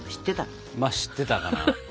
ま知ってたかな。